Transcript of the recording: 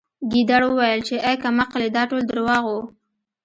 ګیدړ وویل چې اې کم عقلې دا ټول درواغ وو